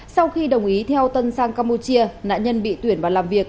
sau khi đồng ý theo tân sang campuchia nạn nhân bị tuyển vào làm việc